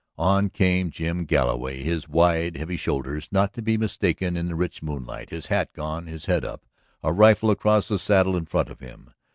On came Jim Galloway, his wide, heavy shoulders not to be mistaken in the rich moonlight, his hat gone, his head up, a rifle across the saddle in front of him.